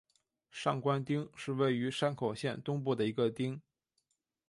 上关町是位于山口县东南部的一町。